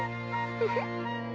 フフッ。